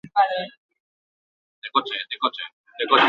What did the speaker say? Segituan hasi zen garatzen azoka eta merkatarien eskutik.